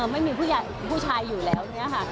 ไม่มีผู้ชายอยู่แล้ว